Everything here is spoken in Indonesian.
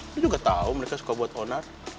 lo juga tau mereka suka buat onar